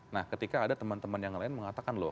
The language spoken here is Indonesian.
nah ketika ada teman teman yang lain mengatakan loh